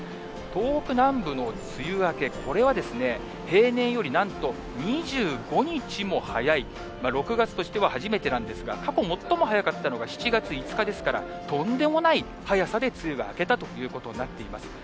東北南部の梅雨明け、これは、平年より、なんと２５日も早い、６月としては初めてなんですが、過去最も早かったのが７月５日ですから、とんでもない早さで梅雨が明けたということになっています。